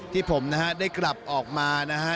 ที่ผมนะฮะได้กลับออกมานะฮะ